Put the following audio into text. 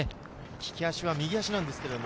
利き足は右足なんですけどね。